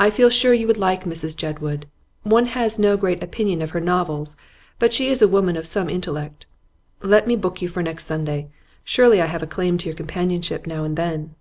'I feel sure you would like Mrs Jedwood. One has no great opinion of her novels, but she is a woman of some intellect. Let me book you for next Sunday; surely I have a claim to your companionship now and then.